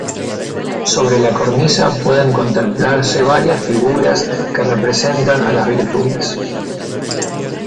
Sobre la cornisa, pueden contemplarse varias figuras que representan a las virtudes.